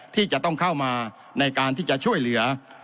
ที่จะต้องเข้ามาในการที่จะช่วยเหลือ